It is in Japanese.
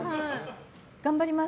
頑張ります。